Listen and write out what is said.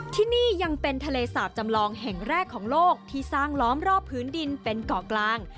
ที่นี่ยังเป็นทะเลสาบจำลองแห่งแรกของโลกที่สร้างล้อมรอบพื้นดินเป็นเกาะกลาง